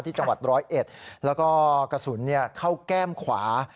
จังหวัดร้อยเอ็ดแล้วก็กระสุนเข้าแก้มขวา